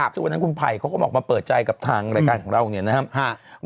ซึ่งวันนั้นคุณไผ่เขาก็ออกมาเปิดใจกับทางรายการของเราเนี่ยนะครับ